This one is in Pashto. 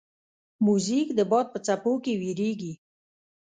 موزیک د باد په څپو کې ویریږي.